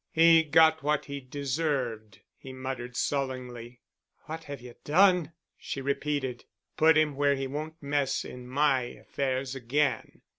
"He got what he deserved," he muttered sullenly. "What have you done?" she repeated. "Put him where he won't mess in my affairs again.